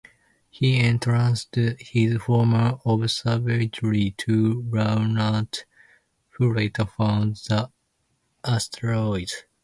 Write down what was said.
He entrusted his former observatory to Laurent, who later found the asteroid.